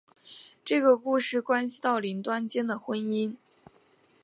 这个故事关系到林瑞间的婚姻。